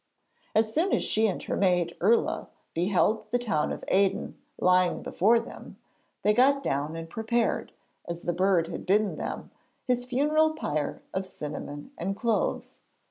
As soon as she and her maid Irla beheld the town of Aden lying before them, they got down and prepared, as the bird had bidden them, his funeral pyre of cinnamon and cloves.